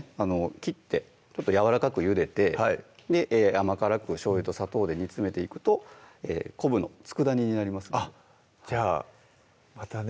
切ってやわらかくゆでて甘辛くしょうゆと砂糖で煮詰めていくと昆布の佃煮になりますのであっじゃあまたね